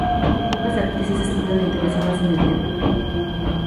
Pocas actrices estuvieron interesadas en el tema.